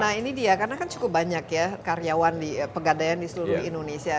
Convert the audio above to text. nah ini dia karena kan cukup banyak ya karyawan di pegadaian di seluruh indonesia